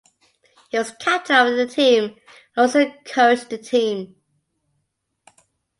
He was captain of the team and also coached the team.